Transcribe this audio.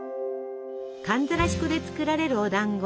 寒ざらし粉で作られるおだんご。